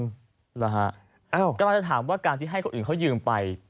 กำลังจะถามว่าการที่ให้คนอื่นเขายืมไป